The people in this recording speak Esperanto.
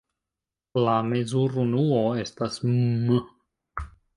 La mezurunuo estas mm.